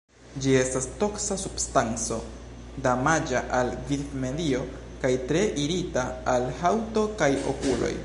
Ĝi estas toksa substanco, damaĝa al vivmedio kaj tre irita al haŭto kaj okuloj.